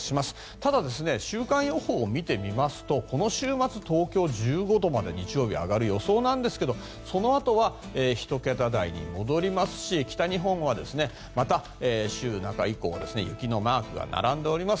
ただ、週間予報を見てみますとこの週末、東京は１５度まで日曜日、上がる予想なんですがそのあとは、１桁台に戻りますし北日本は、また週中以降雪のマークが並んでおります。